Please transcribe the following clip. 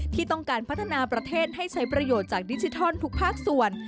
ที่ต้องการพัฒนาประเทศให้ใช้ประโยชน์จากดิจิทัลทุกภาคส่วน